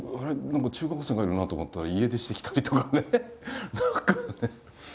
何か中学生がいるなあと思ったら家出してきたりとかね。